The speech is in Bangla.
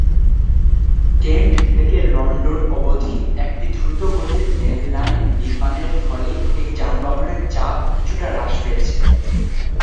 কেন্ট থেকে লন্ডন অবধি একটি দ্রুত গতির রেললাইন নির্মাণের ফলে এই যানবাহনের চাপ কিছুটা হ্রাস পেয়েছে।